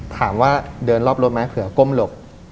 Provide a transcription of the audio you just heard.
ถามว่าเดินรอบรถไหมเผื่อก้มหลบ